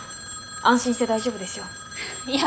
安心して大丈夫ですよ。